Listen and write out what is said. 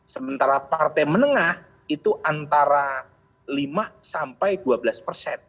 sementara partai menengah itu antara lima sampai dua belas persen